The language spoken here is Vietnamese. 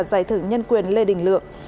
giải thưởng nhân quyền lê đình lượng